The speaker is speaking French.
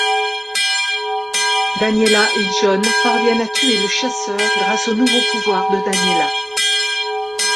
Daniela et John parviennent à tuer le Chasseur grâce au nouveau pouvoir de Daniela.